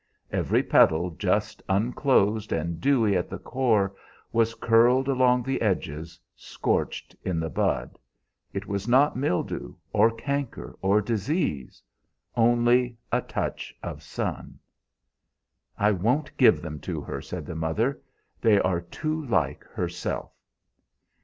Every petal, just unclosed and dewy at the core, was curled along the edges, scorched in the bud. It was not mildew or canker or disease, only "a touch of sun." "I won't give them to her," said the mother; "they are too like herself."